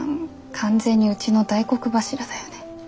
完全にうちの大黒柱だよね。